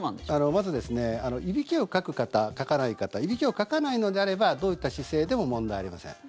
まず、いびきをかく方かかない方いびきをかかないのであればどういった姿勢でも問題ありません。